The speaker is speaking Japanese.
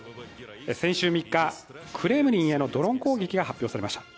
先週３日、クレムリンへのドローン攻撃が発表されました。